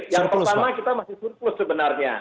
yang pertama kita masih surplus sebenarnya